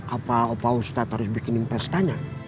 apa opa ustadz harus bikinin pestanya